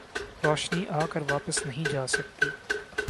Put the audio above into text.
روشنی آکر واپس نہیں جاسکتی